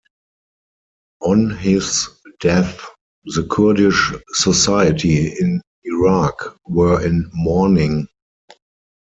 On his death, the Kurdish society in Iraq were in mourning.